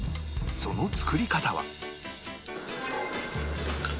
その作り方は